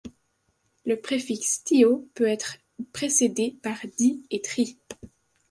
Le préfixe thio- peut être précédé par di- et tri-.